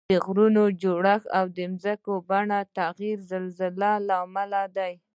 د غرونو جوړښت او د ځمکې د بڼې تغییر د زلزلو له امله دي